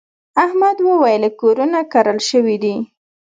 احمد وويل: کورونه کرل شوي دي.